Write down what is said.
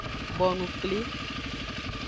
Bonu kpli.